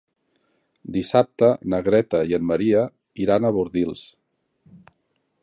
Dissabte na Greta i en Maria iran a Bordils.